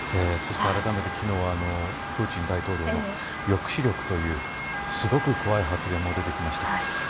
そしてあらためて昨日プーチン大統領の抑止力というすごく怖い発言も出てきました。